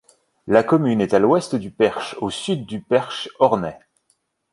La commune est à l'ouest du Perche, au sud du Perche ornais.